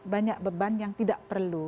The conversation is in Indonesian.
banyak beban yang tidak perlu